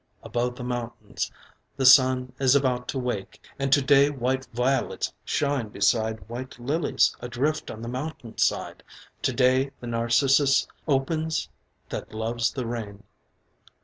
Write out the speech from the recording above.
Above the mountains the sun is about to wake, _and to day white violets shine beside white lilies adrift on the mountain side; to day the narcissus opens that loves the rain_."